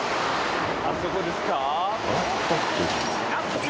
あそこですか？